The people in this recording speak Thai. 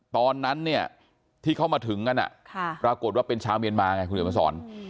ตอนนั้นเนี่ยที่เขามาถึงกันปรากฏว่าเป็นชาวเมียนมาไงคุณเดี๋ยวมาสอน